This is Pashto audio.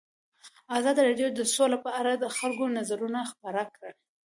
ازادي راډیو د سوله په اړه د خلکو نظرونه خپاره کړي.